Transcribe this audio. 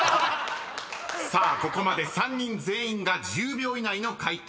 ［さあここまで３人全員が１０秒以内の解答］